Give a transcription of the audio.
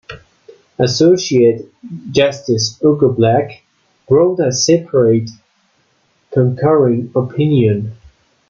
Associate Justice Hugo Black wrote a separate concurring opinion.